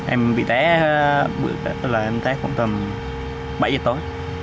em bị té bước là em té khoảng tầm bảy giờ tối